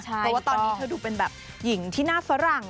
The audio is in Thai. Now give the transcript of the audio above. เพราะว่าตอนนี้เธอดูเป็นแบบหญิงที่หน้าฝรั่ง